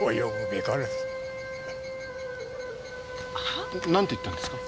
は？なんて言ったんですか？